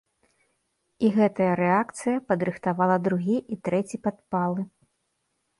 І гэтая рэакцыя падрыхтавала другі і трэці падпалы.